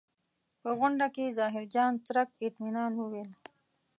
په غونډه کې ظاهرجان څرک اطمنان وویل.